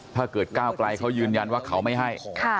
ถ้าเกิดก้าวไกลเขายืนยันว่าเขาไม่ให้